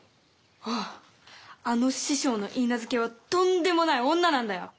あああの師匠のいいなずけはとんでもない女なんだよ！